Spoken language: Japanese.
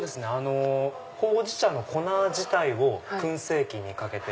ほうじ茶の粉自体を燻製機にかけて。